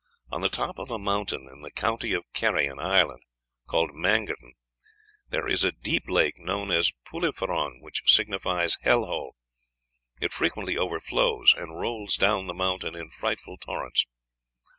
On the top of a mountain in the county of Kerry, Ireland, called Mangerton, there is a deep lake known as Poulle i feron, which signifies Hell hole; it frequently overflows, and rolls down the mountain in frightful torrents.